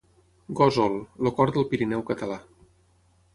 Gósol, el cor del Pirineu català.